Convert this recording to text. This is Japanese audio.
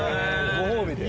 ご褒美で。